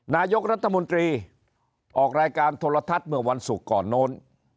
นายกรัฐมนตรีออกรายการโทรทัศน์เมื่อวันศุกร์ก่อนโน้น